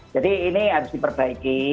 jadi ini harus diperbaiki